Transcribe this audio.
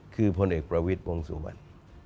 คือพลเอกประวิทย์วงสุวรรณ